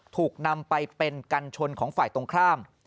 ถูกนำไปเป็นกัญชนของฝ่ายตรงข้าม